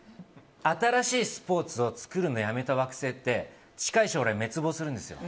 新しいスポーツを作るのやめた惑星って近い将来、滅亡するんですよ。